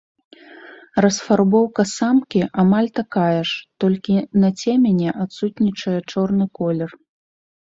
Расфарбоўка самкі амаль такая ж, толькі на цемені адсутнічае чорны колер.